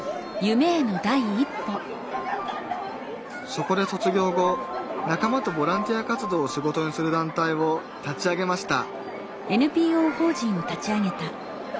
そこで卒業後仲間とボランティア活動を仕事にする団体を立ち上げました